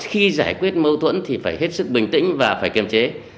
khi giải quyết mâu thuẫn thì phải hết sức bình tĩnh và phải kiềm chế